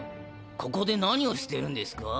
ここで何をしてるんですか？